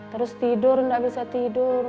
terus tidur nggak bisa tidur